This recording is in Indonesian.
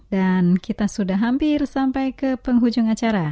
dan kita sudah hampir sampai ke penghujung acara